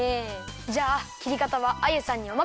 じゃあきりかたはアユさんにおまかせします！